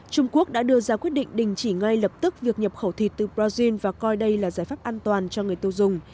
trung quốc đã đưa ra quyết định đình chỉ ngay lập tức việc nhập khẩu thịt từ brazil và coi đây là giải pháp an toàn cho người tiêu dùng